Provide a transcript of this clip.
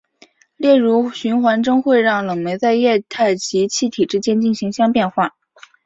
例如循环中会让冷媒在液态及气体之间进行相变化。